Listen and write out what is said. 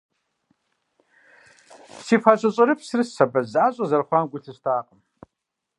Си фащэ щӏэрыпсыр сабэ защӏэ зэрыхъуам гу лъыстакъым.